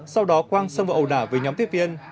sau đó quang xông vào ẩu đả với nhóm tiếp viên